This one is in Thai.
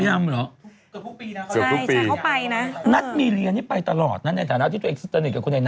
ใหม่ดาวิกาเชื่อมากใหม่ดาวิกาทุกวันนี้ยังไปนั่งว่ายสารแม่นาคอยู่เลยนะ